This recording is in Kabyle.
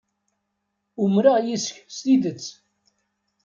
Umreɣ yes-k s tidet.